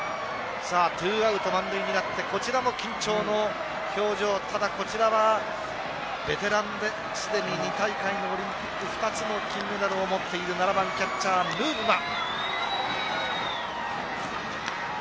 ２アウト満塁になってこちらも緊張の表情ただ、こちらはベテランですでに２大会のオリンピック２つの金メダルを持っている７番キャッチャー、ヌーブマン。